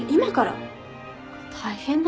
大変だね。